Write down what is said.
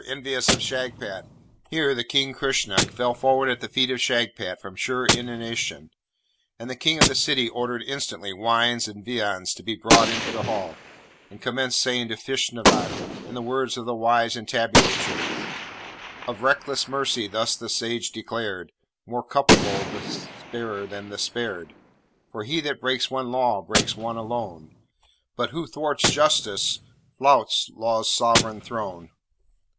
envious of Shagpat!' Here the King, Kresnuk, fell forward at the feet of Shagpat from sheer inanition, and the King of the City ordered instantly wines and viands to be brought into the Hall, and commenced saying to Feshnavat, in the words of the wise entablature: '"Of reckless mercy thus the Sage declared: More culpable the sparer than the spared; For he that breaks one law, breaks one alone: But who thwarts Justice flouts Law's sovereign throne."